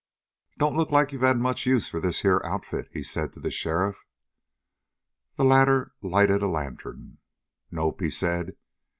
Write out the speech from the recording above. "Don't look like you had much use for this here outfit," he said to the sheriff. The latter lighted a lantern. "Nope," he said.